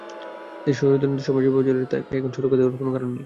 দেশে স্বৈরতন্ত্রের সময় যেভাবে চলেছে, তাকে এখন সুরক্ষা দেওয়ার কোনো কারণ নেই।